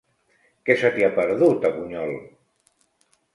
Què se t'hi ha perdut, a Bunyol?